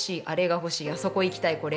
「あれが欲しい」「あそこ行きたい」